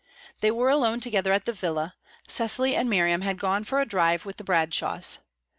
They were alone together at the villa; Cecily and Miriam had gone for a drive with the Bradshaws.